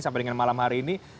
sampai dengan malam hari ini